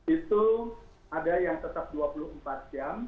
itu ada yang tetap dua puluh empat jam